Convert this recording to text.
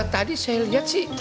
tadi saya lihat sih